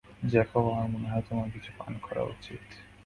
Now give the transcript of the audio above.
Jacob আমার মনে হয় তোমার কিছু পান করা উচিত।